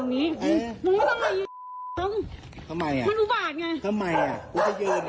มึงเข้ามาทำร้ายข้าวของบ้าน